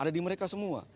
ada di mereka semua